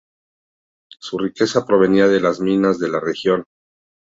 Su riqueza provenía de las minas de la región.